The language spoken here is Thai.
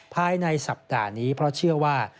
ภายในสัปดาห์นี้เพราะเชื่อว่า